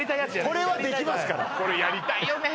これはできますからこれやりたいよね